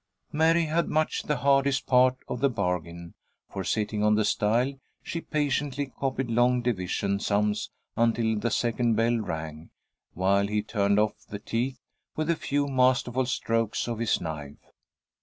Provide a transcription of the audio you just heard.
Mary had much the hardest part of the bargain, for, sitting on the stile, she patiently copied long division sums until the second bell rang, while he turned off the teeth with a few masterful strokes of his knife.